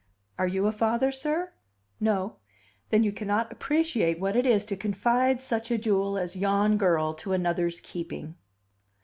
"Are you a father, sir? No? Then you cannot appreciate what it is to confide such a jewel as yon girl to another's keeping."